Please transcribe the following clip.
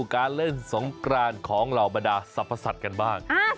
การเล่นสงกรานของเหล่าบรรดาสรรพสัตว์กันบ้าง